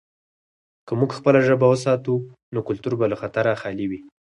که موږ خپله ژبه وساتو، نو کلتور به له خطره خالي وي.